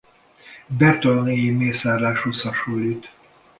Bertalan-éji mészárláshoz hasonlít.